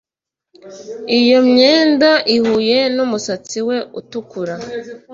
Iyo myenda ihuye numusatsi we utukura